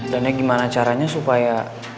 dan ya gimana caranya supaya